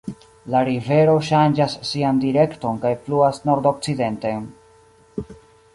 La rivero ŝanĝas sian direkton kaj fluas nordokcidenten.